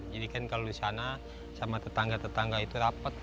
jadi kan kalau di sana sama tetangga tetangga itu rapat